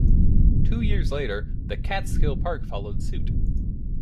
Two years later, the Catskill Park followed suit.